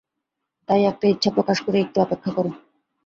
তাই একটা ইচ্ছাপ্রকাশ করে একটু অপেক্ষা করো।